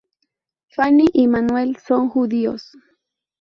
Fanny y Manuel son judíos.